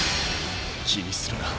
気にするな。